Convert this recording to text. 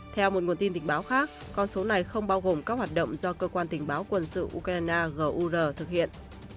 theo một nguồn tin bịch báo khác con số này không bao gồm các hoạt động do cơ quan tình báo quân sự ukraine gur thực hiện